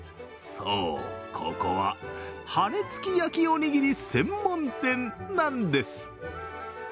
そう、ここは羽根つき焼きおにぎり専門店なんです。